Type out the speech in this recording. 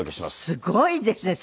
すごいですね。